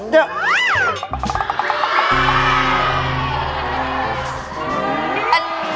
เป็นแขน